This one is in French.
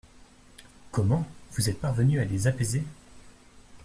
Comment ! vous êtes parvenue à les apaiser ?